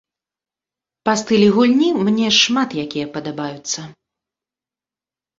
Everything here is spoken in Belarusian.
Па стылі гульні мне шмат якія падабаюцца.